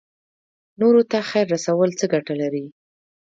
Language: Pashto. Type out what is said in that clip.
نورو ته خیر رسول څه ګټه لري؟